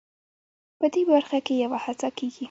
په دې برخه کې یوه هڅه کېږي.